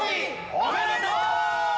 おめでとう！